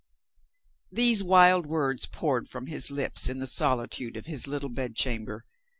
These wild words poured from his lips in the solitude of his little bedchamber.